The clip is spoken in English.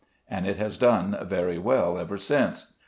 And it has done very well ever since.